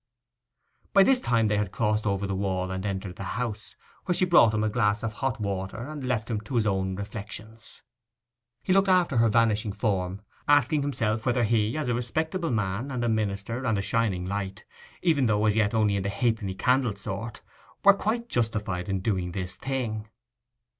By this time they had passed over the wall and entered the house, where she brought him a glass and hot water, and left him to his own reflections. He looked after her vanishing form, asking himself whether he, as a respectable man, and a minister, and a shining light, even though as yet only of the halfpenny candle sort, were quite justified in doing this thing.